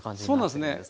そうなんですね